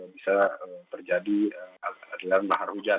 bisa terjadi mahar hujan